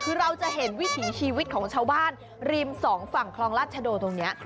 คือเราจะเห็นวิถีชีวิตของชาวบ้านริมสองฝั่งคลองราชโดตรงนี้